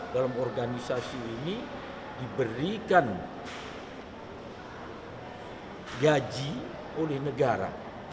dalam organisasi ini diberikan gaji oleh negara